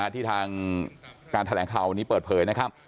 ที่ทางการแถลงข่าววันนี้เปิดเผยนะครับ